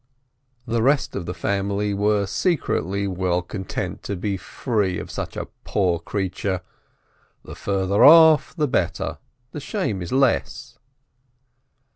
The rest of the family were secretly well content to be free of such a poor creature — "the further off, the better — the shame is less."